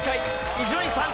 伊集院さん